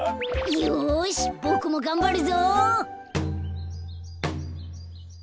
よしボクもがんばるぞ。